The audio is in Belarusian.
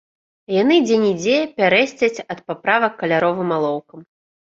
Яны дзе-нідзе пярэсцяць ад паправак каляровым алоўкам.